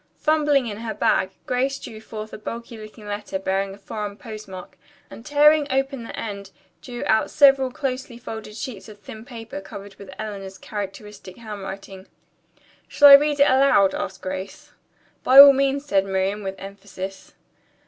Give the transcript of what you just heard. Fumbling in her bag, Grace drew forth a bulky looking letter, bearing a foreign postmark, and tearing open the end, drew out several closely folded sheets of thin paper covered with Eleanor's characteristic handwriting. "Shall I read it aloud?" asked Grace. "By all means," said Miriam with emphasis.